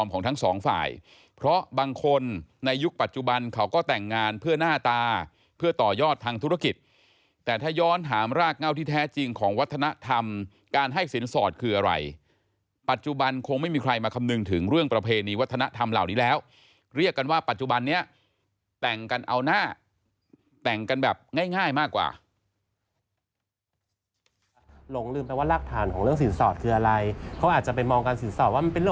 เขาก็แต่งงานเพื่อหน้าตาเพื่อต่อยอดทางธุรกิจแต่ถ้าย้อนถามรากเหงาที่แท้จริงของวัฒนธรรมการให้สินสอดคืออะไรปัจจุบันคงไม่มีใครมาคำนึงถึงเรื่องประเพณีวัฒนธรรมเหล่านี้แล้วเรียกกันว่าปัจจุบันนี้แต่งกันเอาหน้าแต่งกันแบบง่ายง่ายมากกว่าหลงลืมไปว่ารากฐานของเรื่องสินสอดคืออะไรเขาอาจจะไปม